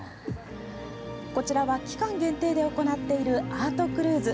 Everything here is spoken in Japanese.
こちらは期間限定で行っているアートクルーズ。